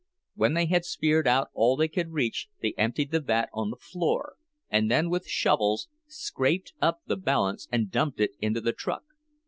When they had speared out all they could reach, they emptied the vat on the floor, and then with shovels scraped up the balance and dumped it into the truck.